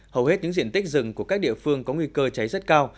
hầu hết những diện tích rừng của các địa phương có nguy cơ cháy rất cao